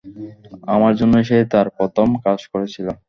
আমার জন্যই সে তার প্রথম কাজ করেছিল।